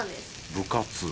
部活